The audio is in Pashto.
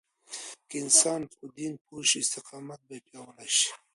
که انسان په دين پوه شي، استقامت به پیاوړی شي.